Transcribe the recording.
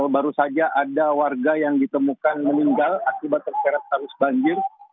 baru saja ada warga yang ditemukan meninggal akibat terseret arus banjir